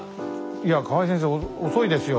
いや河合先生遅いですよ。